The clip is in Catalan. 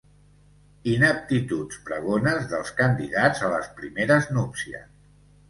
Ineptituds pregones dels candidats a les primeres núpcies.